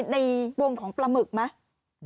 ในวงของปลาหมึกไหม